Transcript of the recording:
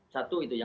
satu itu ya